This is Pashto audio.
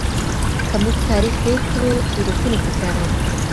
که موږ تاریخ هیر کړو تېروتني تکراروو.